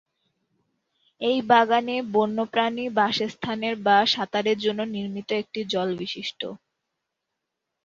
এই বাগানে বন্যপ্রাণী বাসস্থানের বা সাঁতারের জন্য নির্মিত একটি জল বিশিষ্ট্য।